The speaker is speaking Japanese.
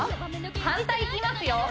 反対いきますよ